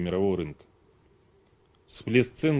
penyelesaian harga akan